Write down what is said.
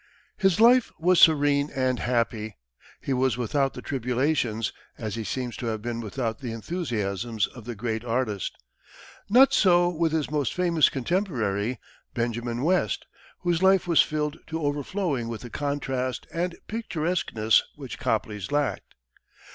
His life was serene and happy; he was without the tribulations, as he seems to have been without the enthusiasms of the great artist. Not so with his most famous contemporary, Benjamin West, whose life was filled to overflowing with the contrast and picturesqueness which Copley's lacked.